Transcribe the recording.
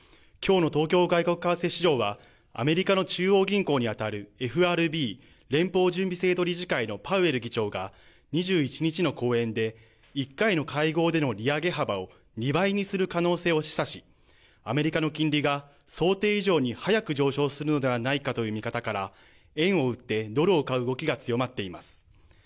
きょうの東京外国為替市場はアメリカの中央銀行にあたるＦＲＢ・連邦準備制度理事会のパウエル議長が２１日の講演で１回の会合での利上げ幅を２倍にする可能性を示唆しアメリカの金利が想定以上に速く上昇するのではないかという見方から円を売ってドルを買う動きが強まっています。